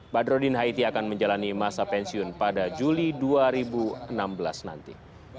badrodin haiti akan menjalani masa pensiun pada juli dua ribu enam belas nanti